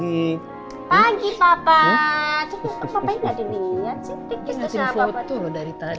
ini ngeliatin foto loh dari tadi